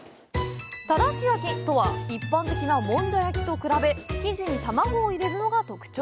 たらし焼きとは一般的なもんじゃ焼きと比べ生地に卵を入れるのが特徴。